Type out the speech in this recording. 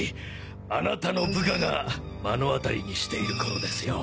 あなたの部下が目のあたりにしている頃ですよ。